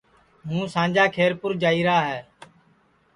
ہوں سانجا کھیرپُور جائیرا ہے